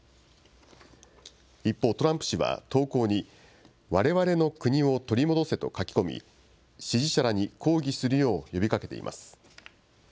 一方、トランプ氏は投稿にわれわれの国を取り戻せと書き込み、支持者らに抗議するよう呼びかけています。